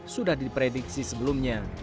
sudah diprediksi sebelumnya